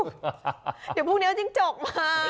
เดี๋ยวพรุ่งนี้จิ้งจกมา